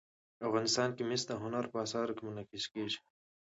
افغانستان کې مس د هنر په اثار کې منعکس کېږي.